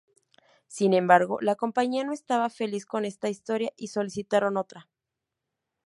Sin embargo, la compañía no estaba feliz con esta historia, y solicitaron otra.